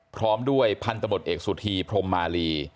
พร้อมด้วยพันธบทเอกสุธีพรมมาลี